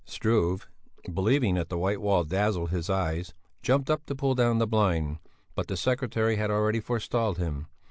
Struve, believing that the white wall dazzled his eyes, jumped up to pull down the blind, but the secretary had already forestalled him.